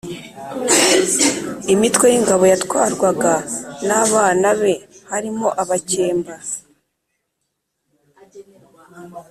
Imitwe y’Ingabo yatwarwaga n’abana be harimo Abakemba